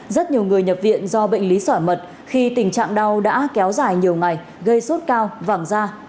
rất nhiều người nhập viện do bệnh lý sỏi mật khi tình trạng đau đã kéo dài nhiều ngày gây sốt cao vàng da